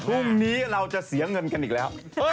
พรุ่งนี้เราจะเสียเงินกันอีกแล้ว